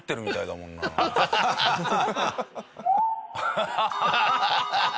ハハハハ！